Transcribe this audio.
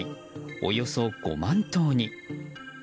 およそ５万頭に。